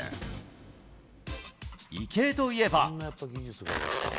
池江といえば。